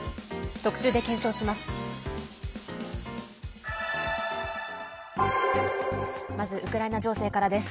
特集で検証します。